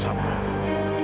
terima kasih fadil